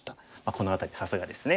この辺りさすがですね。